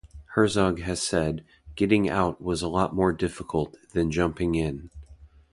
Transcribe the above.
Herzog has said, Getting out was a lot more difficult than jumping in.